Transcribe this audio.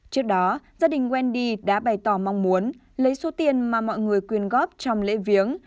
trước đó gia đình wendy đã bày tỏ mong muốn lấy số tiền mà mọi người quyên góp trong lễ viếng